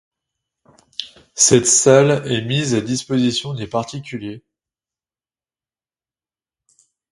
Cette salle est mise à disposition des particuliers.